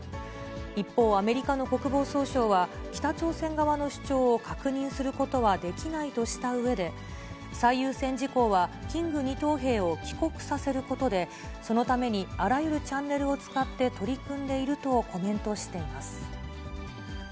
一方、アメリカの国防総省は、北朝鮮側の主張を確認することはできないとしたうえで、最優先事項は、キング２等兵を帰国させることで、そのためにあらゆるチャンネルを使って取り組んでいるとコメントしています。